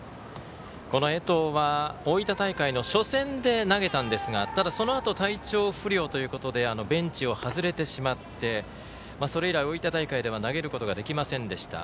この江藤は、大分大会の初戦で投げたんですがそのあと体調不良ということでベンチを外れてしまってそれ以来、大分大会では投げることができませんでした。